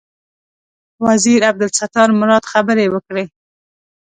وزیر عبدالستار مراد خبرې وکړې.